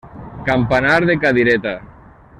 Campanar de cadireta.